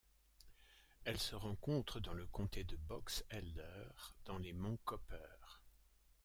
Elle se rencontre dans le comté de Box Elder dans les monts Copper.